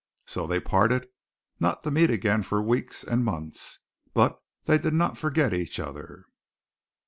So they parted, not to meet again for weeks and months, but they did not forget each other.